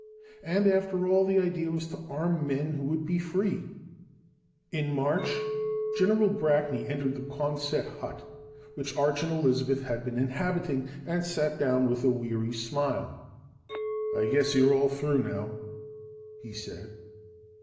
And after all, the idea was to arm men who would be free. In March, General Brackney entered the Quonset hut which Arch and Elizabeth had been inhabiting and sat down with a weary smile. "I guess you're all through now," he said.